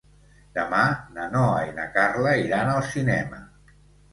Demà na Noa i na Carla iran al cinema.